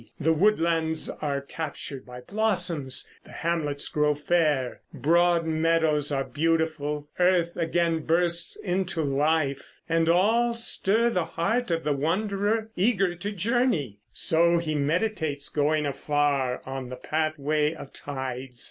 The woodlands are captured by blossoms, the hamlets grow fair, Broad meadows are beautiful, earth again bursts into life, And all stir the heart of the wanderer eager to journey, So he meditates going afar on the pathway of tides.